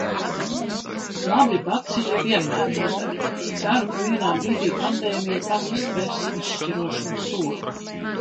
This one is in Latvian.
Labi baciļi vienmēr noder. Ceru, ka vienā brīdī pandēmija pati spers izšķirošo soli.